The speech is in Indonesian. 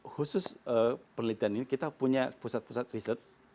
khusus penelitian ini kita punya pusat pusat riset